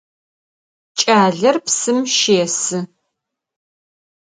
Ç'aler psım şêsı.